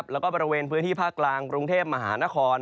แล้วก็บริเวณพื้นที่ภาคกลางกรุงเทพมหานคร